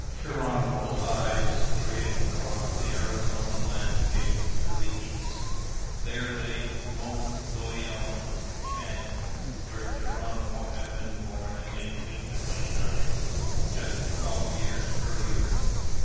Geronimo's eyes strayed across the Arizona landscape to the east. There lay No doyohn Canyon, where Geronimo had been born in 1829, just twelve years earlier.